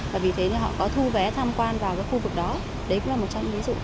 và vì thế họ có thu vé tham quan vào cái khu vực đó đấy cũng là một trong những ví dụ